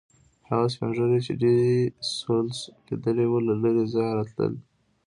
هغه سپین زر چې ډي سولس لیدلي وو له لرې ځایه راتلل.